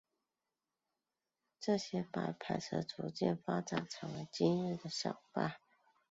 这些白牌车逐渐发展成为今日的小巴。